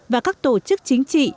và các tổ chức chính trị